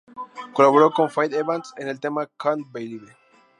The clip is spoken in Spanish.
Colaboró con Faith Evans en el tema "Can't believe".